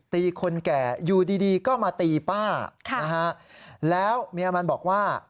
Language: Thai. ตีคนแก่อยู่ดีดีก็มาตีป้านะฮะแล้วเมียมันบอกว่า